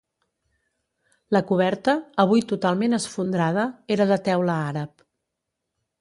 La coberta, avui totalment esfondrada, era de teula àrab.